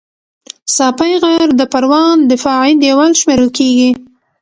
ساپی غر د پروان دفاعي دېوال شمېرل کېږي